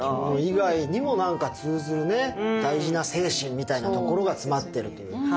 着物以外にも何か通ずるね大事な精神みたいなところが詰まってるという。